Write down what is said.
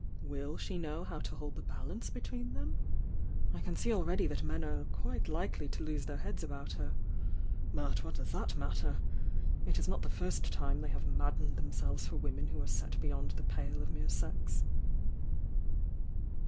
Will she know how to hold the balance etween them? I can see already that men are quite likely to lose their heads about her — but what does that matter! It is not the first time they have maddened themselves for women who are set beyond the pale of mere sex."